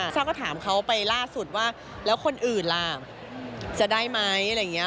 เศร้าก็ถามเขาไปล่าสุดว่าแล้วคนอื่นล่ะจะได้ไหมอะไรอย่างนี้